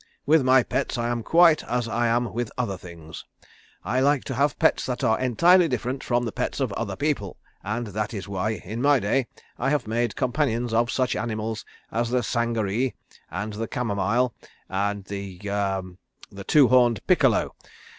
"With my pets I am quite as I am with other things. I like to have pets that are entirely different from the pets of other people, and that is why in my day I have made companions of such animals as the sangaree, and the camomile, and the ah the two horned piccolo.